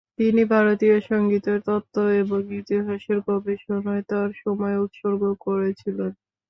তিনি ভারতীয় সংগীতের তত্ত্ব এবং ইতিহাসের গবেষণায় তার সময় উৎসর্গ করেছিলেন।